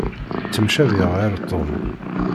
Ttemcabiɣ ɣer Tom.